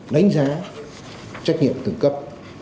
đánh giá trách nhiệm từng cấp